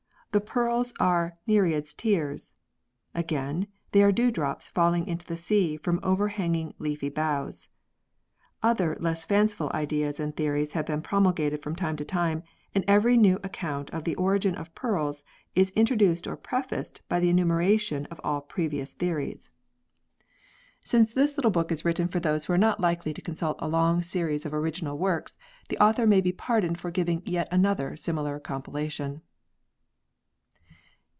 The pearls are Nereids' tears again, they are dew drops falling into the sea from over hanging leafy boughs. Other less fanciful ideas and theories have been promulgated from time to time, and every new account of the origin of pearls is intro duced or prefaced by the enumeration of all previous theories. YIIl] THE ORIGIN OF PEARLS 93 Since this little book is written for those who are not likely to consult a long series of original works, the author may be pardoned for giving yet another similar compilation.